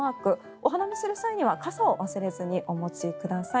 お花見する際には傘を忘れずにお持ちください。